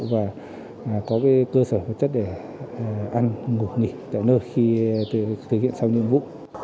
và có cơ sở vật chất để ăn ngủ nghỉ tại nơi khi thực hiện xong nhiệm vụ